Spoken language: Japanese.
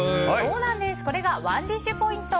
これがＯｎｅＤｉｓｈポイント。